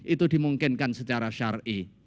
itu dimungkinkan secara syari